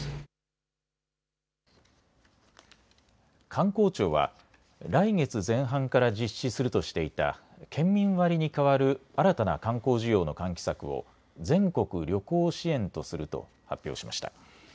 観光庁は来月前半から実施するとしていた県民割に代わる新たな観光需要の喚起策を全国旅行支援とすると発表しました。